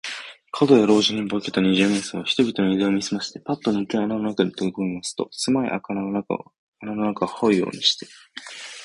門野老人に化けた二十面相は、人々のゆだんを見すまして、パッとぬけ穴の中にとびこみますと、せまい穴の中をはうようにして、